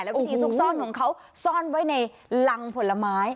วิธีซุกซ่อนของเขาซ่อนไว้ในรังผลไม้